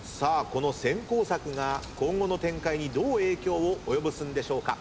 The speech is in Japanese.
この先行策が今後の展開にどう影響を及ぼすんでしょうか？